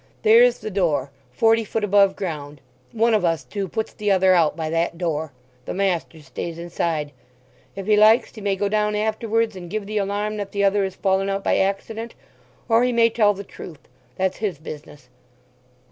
There's the door, forty foot above ground. One of us two puts the other out by that door—the master stays inside. If he likes he may go down afterwards and give the alarm that the other has fallen out by accident—or he may tell the truth—that's his business.